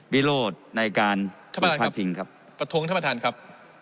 บิโรธในการท่านประธานครับประทงท่านประธานครับ